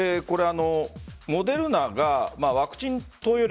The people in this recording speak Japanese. モデルナがワクチン投与量